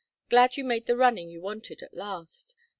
Glad you made the running you wanted at last.